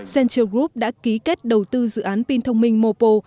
central group đã ký kết đầu tư dự án pin thông minh mopo